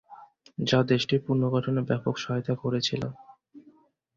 যা দেশটির পুনর্গঠনে ব্যাপক সহায়তা করেছিল।